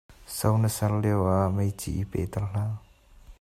So na ser lioah meici i peh ter hlah.